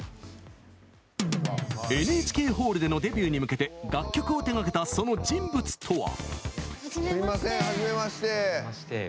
ＮＨＫホールでのデビューに向けて楽曲を手がけたその人物とは。